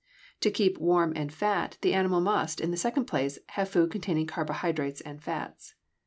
To keep warm and fat, the animal must, in the second place, have food containing carbohydrates and fats.